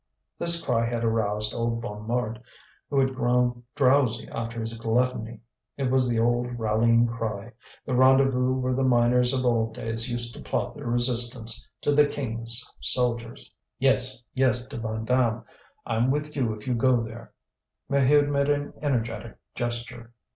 This cry had aroused old Bonnemort, who had grown drowsy after his gluttony. It was the old rallying cry, the rendezvous where the miners of old days used to plot their resistance to the king's soldiers. "Yes, yes, to Vandame! I'm with you if you go there!" Maheude made an energetic gesture.